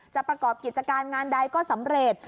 ประกอบกิจการงานใดก็สำเร็จ